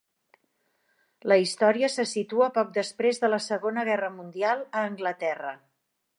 La història se situa poc després de la Segona guerra mundial, a Anglaterra.